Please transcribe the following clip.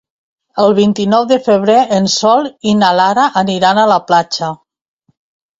El vint-i-nou de febrer en Sol i na Lara aniran a la platja.